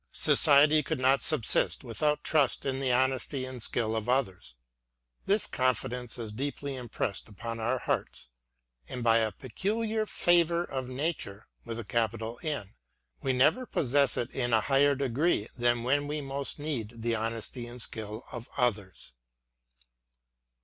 Society could not subsist without trust in the honesty and skill of others; — this confidence is deeply impressed upon our hearts, and by a peculiar favour of Nature we never possess it in a higher degree than when we most need the honesty and skill of others.